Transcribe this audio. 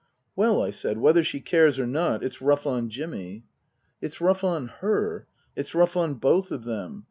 " Well," I said, " whether she cares or not, it's rough on Jimmy." " It's rough on her. It's rough on both of them.